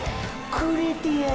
くれてやり？